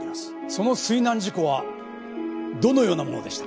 その水難事故はどのようなものでしたか？